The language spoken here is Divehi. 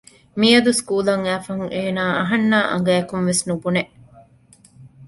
މިޔަދު ސްކޫލަށް އައިފަހުން އޭނާ އަހަންނާ އަނގައަކުން ވެސް ނުބުނެ